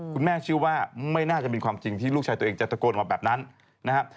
คุณแม่เชื่อว่าไม่น่าจะเป็นความจริงที่ลูกชายตัวเองจะตะโกนมาแบบนั้นนะครับ